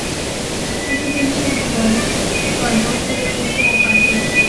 但这些译本都未获版权许可。